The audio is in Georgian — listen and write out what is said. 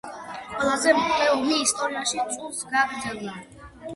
ყველაზე მოკლე ომი ისტორიაში წუთს გაგრძელდა.